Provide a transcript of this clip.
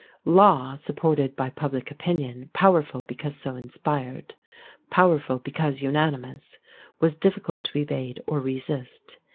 Law supported by public opinion, powerful because so inspired, powerful because unanimous, was difficult to evade or resist.